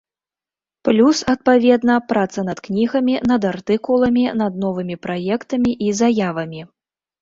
Плюс, адпаведна, праца над кнігамі, над артыкуламі, над новымі праектамі і заявамі.